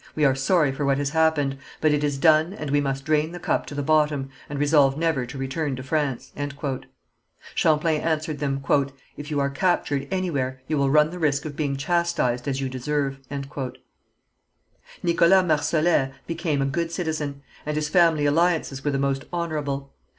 We are sorry for what has happened, but it is done and we must drain the cup to the bottom, and resolve never to return to France." Champlain answered them: "If you are captured anywhere, you will run the risk of being chastised as you deserve." Nicholas Marsolet became a good citizen, and his family alliances were the most honourable.